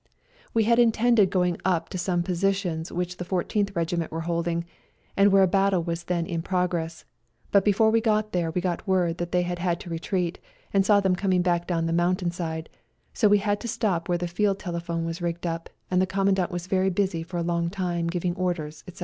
We had intended going up to some posi tions which the Fourteenth Regiment were holding, and where a battle was then in progress, but before we got up there we got word that they had had to retreat, and saw them coming back down the mountain side; so we had to stop where the field telephone was rigged up, and the Commandant was very busy for a long time giving orders, etc.